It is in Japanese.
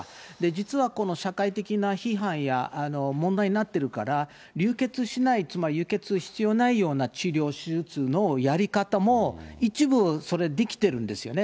実はこの社会的な批判や問題になっているから、流血しない、つまり輸血必要ないような治療、手術のやり方も、一部、それできてるんですよね。